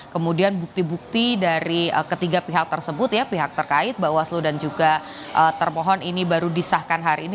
kemudian bukti bukti dari ketiga pihak tersebut ya pihak terkait bawaslu dan juga termohon ini baru disahkan hari ini